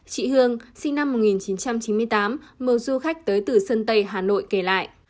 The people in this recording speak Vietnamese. chị hương sinh năm một nghìn chín trăm chín mươi tám một du khách tới từ sơn tây hà nội kể lại